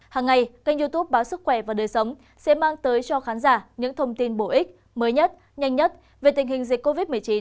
hàng ngày kênh youtube báo sức khỏe và đời sống sẽ mang tới cho khán giả những thông tin bổ ích mới nhất nhanh nhất về tình hình dịch covid một mươi chín